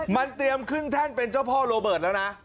มันเตรียมขึ้นแท่นเป็นเจ้าพ่อโรเบิร์ตแล้วนะ